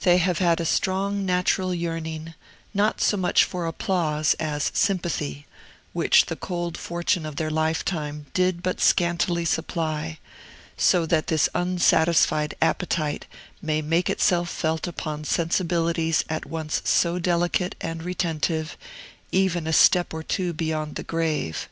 They have had a strong natural yearning, not so much for applause as sympathy, which the cold fortune of their lifetime did but scantily supply; so that this unsatisfied appetite may make itself felt upon sensibilities at once so delicate and retentive, even a step or two beyond the grave.